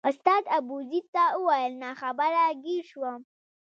استاد ابوزید ته وویل ناخبره ګیر شوم.